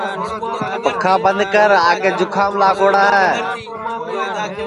پکھا بند کر آگے جُکھام لاگوڑا ہے